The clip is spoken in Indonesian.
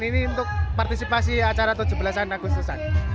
dan ini untuk partisipasi acara tujuh belas agustus